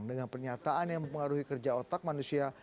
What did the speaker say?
dengan pernyataan yang mempengaruhi kerja otak manusia